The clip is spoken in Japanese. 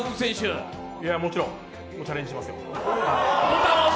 もちろんチャレンジしますよ。